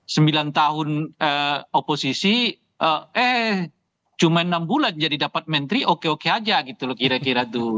sembilan tahun oposisi eh cuma enam bulan jadi dapat menteri oke oke aja gitu loh kira kira tuh